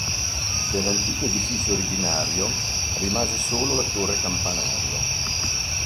Dell'antico edificio originario rimase solo la torre campanaria.